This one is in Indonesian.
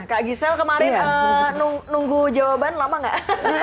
kak gisel kemarin nunggu jawaban lama gak